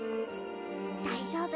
大丈夫。